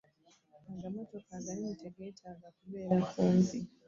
Agamotoka aganene tegeetaaga kubeera kumpi.